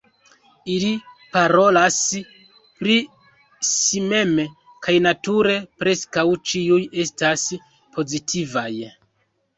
Ili parolas pri si mem, kaj nature preskaŭ ĉiuj estas pozitivaj.